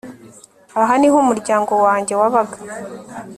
aha niho umuryango wanjye wabaga